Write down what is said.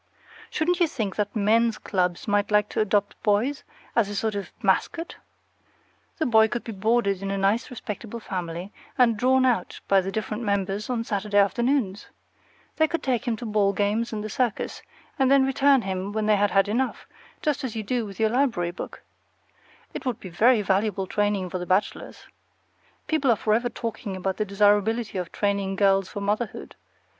Shouldn't you think that men's clubs might like to adopt boys, as a sort of mascot? The boy could be boarded in a nice respectable family, and drawn out by the different members on Saturday afternoons. They could take him to ball games and the circus, and then return him when they had had enough, just as you do with a library book. It would be very valuable training for the bachelors. People are forever talking about the desirability of training girls for motherhood.